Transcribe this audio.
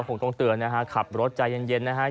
คงต้องเตือนนะฮะขับรถใจเย็นนะฮะ